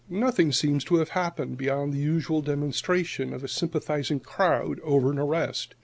Nothing seems to have happened beyond the usual demonstration of a sympathizing crowd over an arrest.